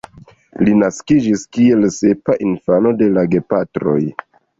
Li naskiĝis kiel sepa infano de la gepatroj.